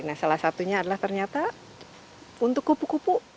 nah salah satunya adalah ternyata untuk kupu kupu